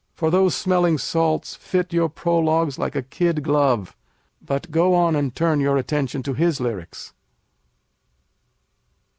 For those smelling salts fit your prologues like a kid glove. But go on and turn your attention to his lyrics.